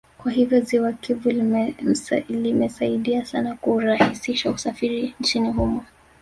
Kwa hiyo ziwa Kivu limesaidia sana kurahisisha usafiri nchini humo